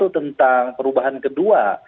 tentang perubahan kedua